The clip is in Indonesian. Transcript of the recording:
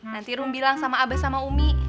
nanti rum bilang sama abe sama umi